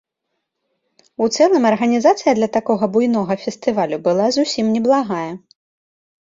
У цэлым арганізацыя для такога буйнога фестывалю была зусім неблагая.